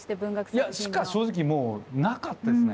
いやしか正直なかったですね。